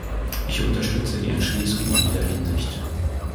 Ich unterstütze die Entschließung in jeder Hinsicht.